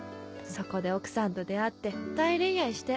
そこで奥さんと出会って大恋愛して。